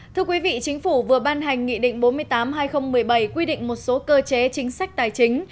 thưa quý vị chính phủ vừa ban hành nghị định bốn mươi tám hai nghìn một mươi bảy quy định một số cơ chế chính sách tài chính